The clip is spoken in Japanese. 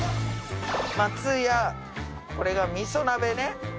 まつやこれがみそ鍋ね。